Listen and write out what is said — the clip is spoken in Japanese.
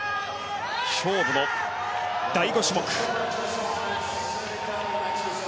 勝負の第５種目。